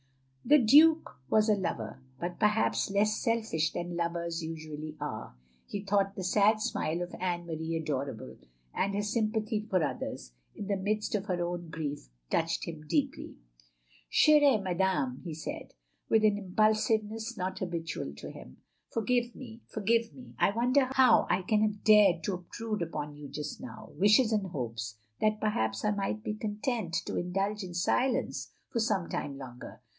" The Duke was a lover, but perhaps less selfish than lovers usually are; he thought the sad smile of Anne Marie adorable; and her sympathy for others, in the midst of her own grief, touched him deeply. "Chfere madame," he said, with an impulsive ness not habitual to him, forgive me, forgive me. I wonder how I can have dared to obtrude upon you just now — ^wishes and hopes, that perhaps I must be content to indulge in silence for some time longer.